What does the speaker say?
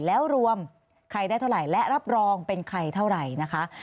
แล้วรวมใครได้เท่าไหร่และรับรองเป็นใครเท่าไหร่นะคะ